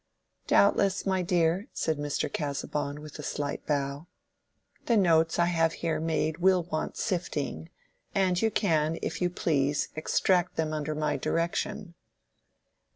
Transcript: "Doubtless, my dear," said Mr. Casaubon, with a slight bow. "The notes I have here made will want sifting, and you can, if you please, extract them under my direction."